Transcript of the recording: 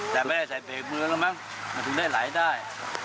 แต่ไม่ได้ใส่เบรกมือแล้วมั้งมันถึงได้ไหลได้